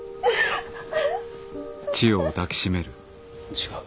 違う。